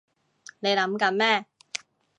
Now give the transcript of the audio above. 你諗緊咩？